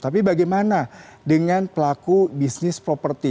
tapi bagaimana dengan pelaku bisnis properti